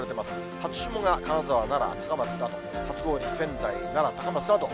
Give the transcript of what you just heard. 初霜が金沢、奈良、高松など、初氷、仙台、奈良、高松など。